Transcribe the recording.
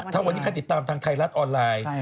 ถ้าวันนี้ใครติดตามทางไทยรัฐออนไลน์